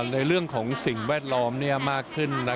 ในเรื่องของสิ่งแวดล้อมมากขึ้น